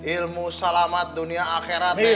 ilmu selamat dunia akhirat